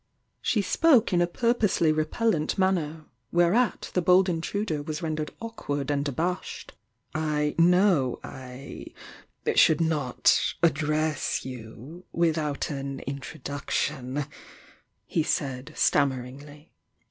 She spoke in a purposely repellent manner, where at the bold intruder was rendered awkward and abashed. "I know I should not address you without an in troduction," he said stammeringly.